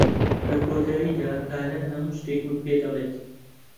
لە کۆتاییدا، ئالان هەموو شتێکم پێدەڵێت.